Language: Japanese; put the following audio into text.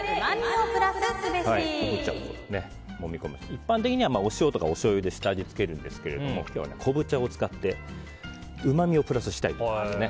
一般的にはお塩やおしょうゆで下味をつけますが今日は昆布茶を使ってうまみをプラスしたいと思います。